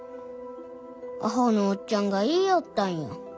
アホのおっちゃんが言いよったんや。